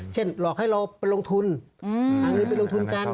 เช่นหลอกให้เราไปลงทุนทางนี้ไปลงทุนกัน